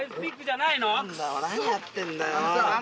何やってんだよ！